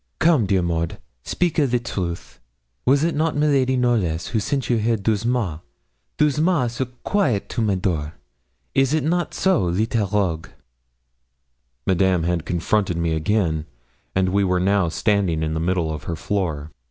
Come, Maud, speak a the truth was it not miladi Knollys who sent you here doucement, doucement, so quaite to my door is it not so, little rogue?' Madame had confronted me again, and we were now standing in the middle of her floor.